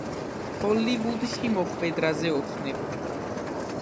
ჰოლივუდში მოხვედრაზე ოცნებობდა.